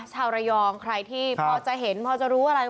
ชาวระยองใครที่พอจะเห็นพอจะรู้อะไร